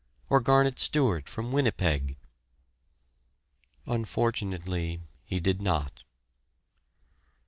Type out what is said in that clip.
or Garnet Stewart from Winnipeg? Unfortunately, he did not.